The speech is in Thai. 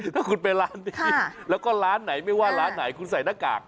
ถ้าคุณไปร้านนี้แล้วก็ร้านไหนไม่ว่าร้านไหนคุณใส่หน้ากาก